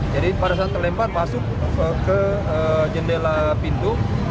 jadi pada saat terlempar masuk ke jendela pintu